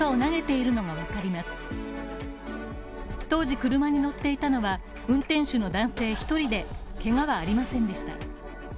当時車に乗っていたのは、運転手の男性１人で、けがはありませんでした。